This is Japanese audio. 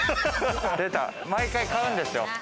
毎回買うんですよ。